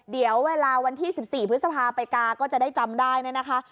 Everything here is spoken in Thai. เดี๋ยวเวลาวันที่๑๔พฤษภาไปกาก็จะได้จำได้เนี่ยนะคะ